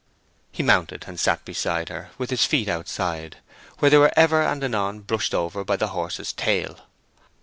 He mounted and sat beside her, with his feet outside, where they were ever and anon brushed over by the horse's tail.